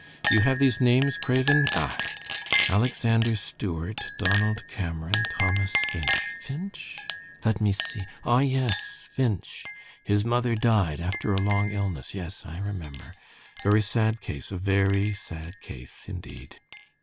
You have these names, Craven? Ah! Alexander Stewart, Donald Cameron, Thomas Finch Finch, let me see ah, yes, Finch. His mother died after a long illness. Yes, I remember. A very sad case, a very sad case, indeed."